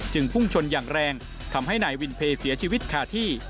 พุ่งชนอย่างแรงทำให้นายวินเพลเสียชีวิตคาที่